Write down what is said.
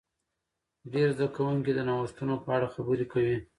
ډیر زده کوونکي د نوښتونو په اړه خبرې کوي.